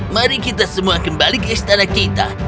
mari kita semua kembali ke istana kita